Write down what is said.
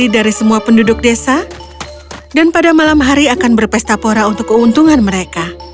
desa dan pada malam hari akan berpesta pora untuk keuntungan mereka